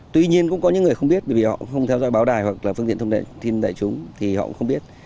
tuy nhiên cũng có những người không biết vì họ không theo dõi báo đài hoặc phương tiện thông tin tài chúng thì họ cũng không biết